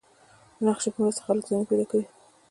د نقشې په مرسته خلک ځایونه پیدا کوي.